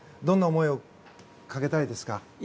どんな思いをかけたいですか？